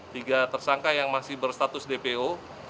tiga tersangka yang masih berstatus dpo